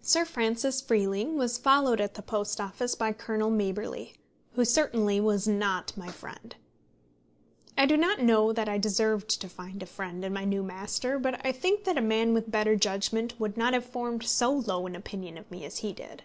Sir Francis Freeling was followed at the Post Office by Colonel Maberly, who certainly was not my friend. I do not know that I deserved to find a friend in my new master, but I think that a man with better judgment would not have formed so low an opinion of me as he did.